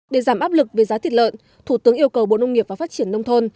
để giảm áp lực về giá thịt lợn thủ tướng yêu cầu bộ nông nghiệp và phát triển nông thôn